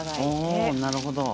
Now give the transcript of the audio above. おなるほど。